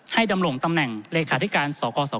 ดำรงตำแหน่งเลขาธิการสกส